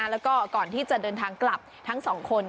แล้วก็ก่อนที่จะเดินทางกลับทั้งสองคน